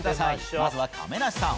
まずは亀梨さん。